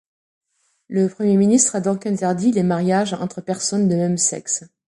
Le Premier ministre a donc interdit les mariages entre personnes de même sexe.